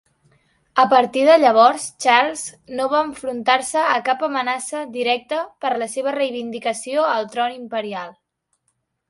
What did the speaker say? A partir de llavors, Charles no va enfrontar-se a cap amenaça directa per la seva reivindicació al tron imperial.